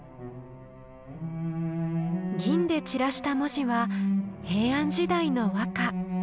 銀で散らした文字は平安時代の和歌。